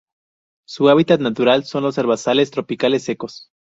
Su hábitat natural son los herbazales tropicales secos.